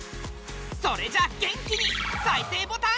それじゃあ元気に再生ボタン。